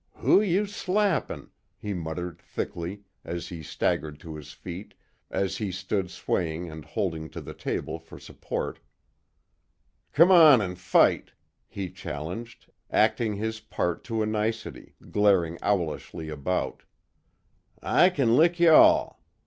"Who you slappin'," he muttered, thickly, as he staggered to his feet and stood swaying and holding to the table for support, "C'm on an' fight!" he challenged, acting his part to a nicety, glaring owlishly about, "I c'n lick y'all.